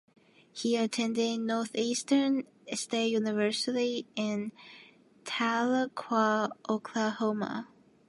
He attended Northeastern State University in Tahlequah, Oklahoma.